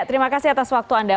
terima kasih atas waktu anda